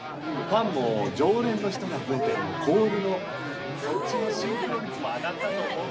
ファンも常連の人が増えてコールのそっちのシンクロ率も上がったと思うんだよ